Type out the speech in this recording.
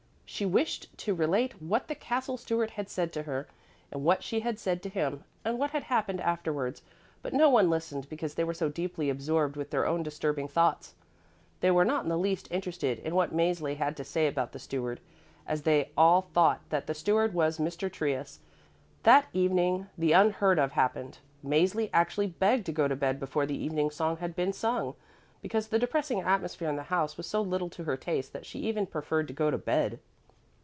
She wished to relate what the Castle Steward had said to her and what she had said to him, and what had happened afterwards. But no one listened because they were so deeply absorbed with their own disturbing thoughts. They were not in the least interested in what Mäzli had to say about the Steward, as they all thought that the steward was Mr. Trius. That evening the unheard of happened. Mäzli actually begged to go to bed before the evening song had been sung, because the depressing atmosphere in the house was so little to her taste that she even preferred to go to bed.